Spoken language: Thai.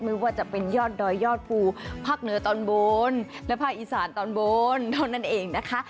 ไม่ว่าจะเป็นยอดดอยยอดภูภาคเหนือตอนบนและภาคอีสานตอนบนเท่านั้นเองนะคะ